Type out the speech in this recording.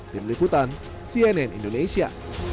tim liputan cnn indonesia